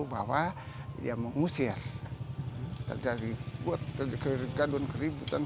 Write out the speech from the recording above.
bahwa dia mengusir dari buat gandun keributan